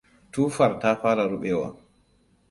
Tuffar ta fara ruɓewa.